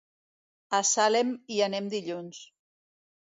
A Salem hi anem dilluns.